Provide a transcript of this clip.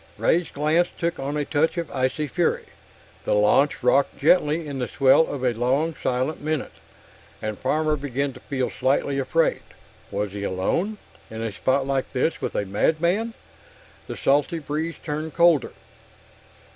Ray's glance took on a touch of icy fury. The launch rocked gently in the swell for a long, silent minute, and Farmer began to feel slightly afraid. Was he alone, in a spot like this, with a madman? The salty breeze turned colder.